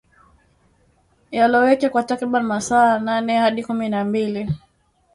Yaloweke kwa takriban masaa nane hadi kumi na mbili